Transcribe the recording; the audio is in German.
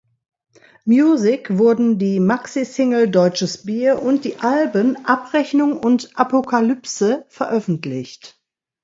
Music wurden die Maxi-Single "Deutsches Bier" und die Alben "Abrechnung" und "Apokalypse" veröffentlicht.